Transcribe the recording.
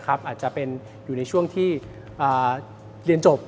อาจจะเป็นอยู่ในช่วงที่เรียนจบ